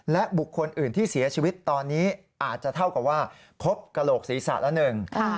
และบุคคลอื่นที่เสียชีวิตตอนนี้อาจจะเท่ากับว่าพบกระโหลกศีรษะละหนึ่ง